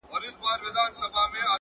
دا سړی څوک وو چي ژړا يې کړم خندا يې کړم”